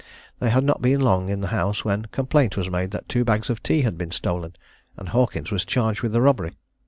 They had not been long in the house when complaint was made that two bags of tea had been stolen, and Hawkins was charged with the robbery.